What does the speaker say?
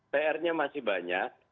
pr nya masih banyak